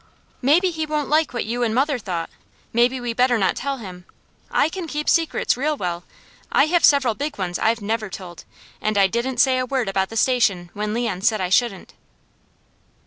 "Maybe he won't like what you and mother thought. Maybe we better not tell him. I can keep secrets real well. I have several big ones I've never told, and I didn't say a word about the Station when Leon said I shouldn't."